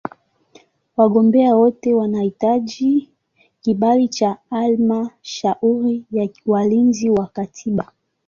Wagombea wote wanahitaji kibali cha Halmashauri ya Walinzi wa Katiba.